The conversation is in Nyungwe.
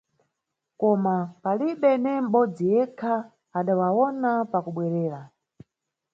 Koma, palibe neye mʼbodzi yekha adawawona pa kubwerera.